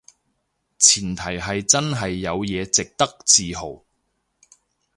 前提係真係有嘢值得自豪